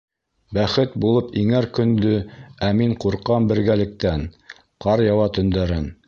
Бәхет булып иңәр көндө Ә мин ҡурҡам бергәлектән, Ҡар яуа төндәрен...